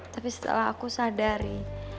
tapi setelah aku sadari